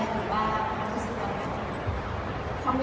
ขอบคุณครับ